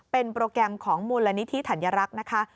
เป็นโปรแกรมของมูลนิธิธัญรักษ์นะคะ